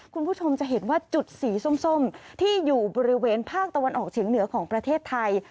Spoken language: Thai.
คุณผู้ชมจะเห็นว่าจุดสีส้มที่อยู่บริเวณภาคตะวันออกเฉียงเหนือของประเทศไทย